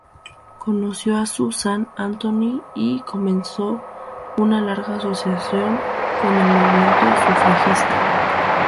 Conoció a Susan B. Anthony y comenzó una larga asociación con el movimiento sufragista.